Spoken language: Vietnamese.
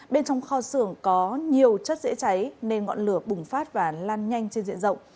bên trong kho xưởng có nhiều chất dễ cháy nên ngọn lửa bùng phát và lan nhanh trên diện rộng